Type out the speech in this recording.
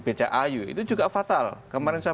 bcau itu juga fatal kemarin saya